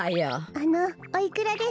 あのおいくらですか？